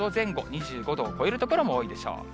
２５度を超える所も多いでしょう。